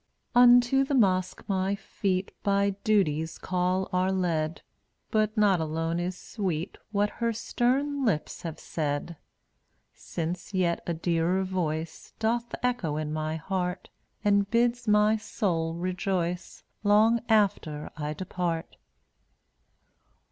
A\ttt/it* Unto the mosque my feet ZL By Duty's call are led, (TvC/ But not alone is sweet ftUft£r What her stern lips have said, iJ Since yet a dearer voice Doth echo in my heart And bids my soul rejoice Long after I depart.